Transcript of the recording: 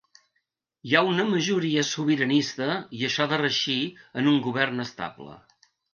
Hi ha una majoria sobiranista i això ha de reeixir en un govern estable.